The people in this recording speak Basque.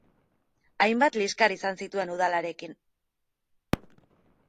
Hainbat liskar izan zituen udalarekin.